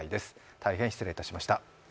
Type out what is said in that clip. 大変失礼いたしました。